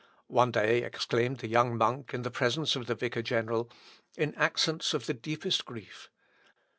one day exclaimed the young monk in presence of the vicar general, in accents of the deepest grief.